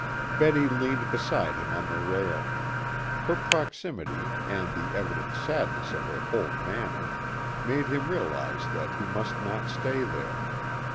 Betty leant beside him on the rail. Her proximity, and the evident sadness of her whole manner, made him realize that he must not stay there.